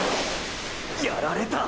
やられた！！